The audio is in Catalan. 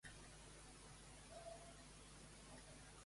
D'agost, la Jove de Barcelona torna a Vilafranca.